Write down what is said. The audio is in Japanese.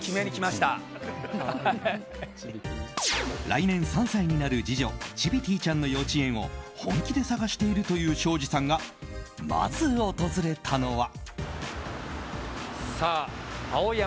来年３歳になる次女チビティちゃんの幼稚園を本気で探しているという庄司さんが、まず訪れたのは。